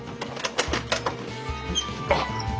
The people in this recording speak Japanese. あっ！